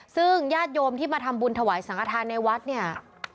ซึ่งญาติโยมที่มาทำบุญถวายสังฆฐานในวัดเนี่ย